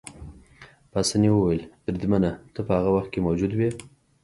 پاسیني وویل: بریدمنه، ته په هغه وخت کې موجود وې؟